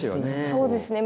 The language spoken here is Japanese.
そうですね